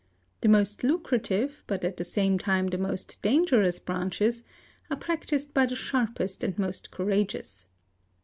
The most lucrative, but at the same time the most dangerous, branches are practised by the sharpest | and most courageous.